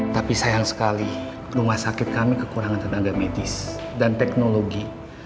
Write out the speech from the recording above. tapi sayang sekali rumah sakit kami kekurangan tenaga medis dan teknologi